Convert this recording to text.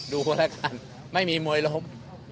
ดูแล้วกันไม่มีมวยล้ม